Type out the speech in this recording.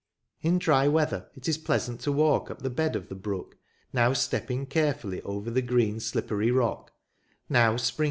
In dry weather it is pleasant to walk up the bed of the brook, now stepping care fully over the green slippery rock, now spring i6 RiVERTON.